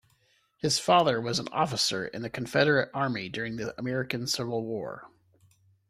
His father was an officer in the Confederate army during the American Civil War.